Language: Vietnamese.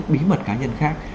bí mật cá nhân khác